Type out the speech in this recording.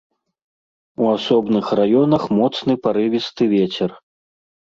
У асобных раёнах моцны парывісты вецер.